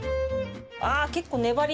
ああ結構ねばり